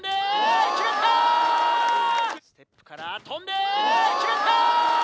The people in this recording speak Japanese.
ステップから跳んで決めた！